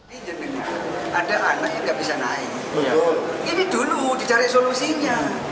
ini dengan ada anak yang gak bisa naik ini dulu dicari solusinya